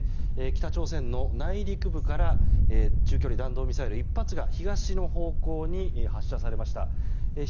北朝鮮の内陸部から中距離弾道ミサイル１発が東の方向に発射されました。